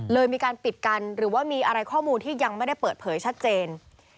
มีการปิดกันหรือว่ามีอะไรข้อมูลที่ยังไม่ได้เปิดเผยชัดเจน